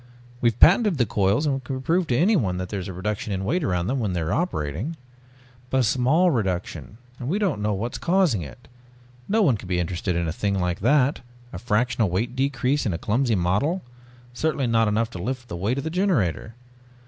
We've patented the coils and can prove to anyone that there is a reduction in weight around them when they are operating...." "But a small reduction. And we don't know what is causing it. No one can be interested in a thing like that a fractional weight decrease in a clumsy model, certainly not enough to lift the weight of the generator.